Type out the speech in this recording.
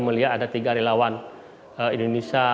melihat ada tiga relawan indonesia